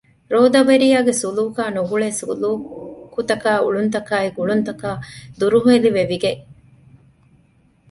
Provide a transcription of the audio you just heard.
ރޯދަވެރިޔާގެ ސުލޫކާ ނުގުޅޭ ސުލޫކުތަކާއި އުޅުންތަކާއި ގުޅުންތަކާ ދުރުހެލި ވެވިގެން